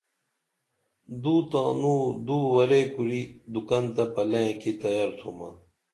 دو تانوں دو ورے کُری دُکن تہ پلئیں کی تیار تُھمہ